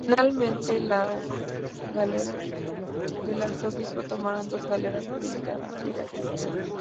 Finalmente, las galeras del arzobispo tomaron dos galeras piratas.